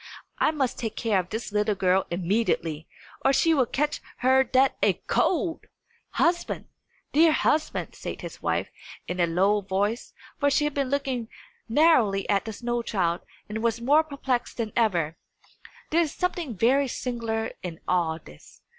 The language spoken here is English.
I must take care of this little girl immediately, or she will catch her death a cold!" "Husband! dear husband!" said his wife, in a low voice for she had been looking narrowly at the snow child, and was more perplexed than ever there is something very singular in all this.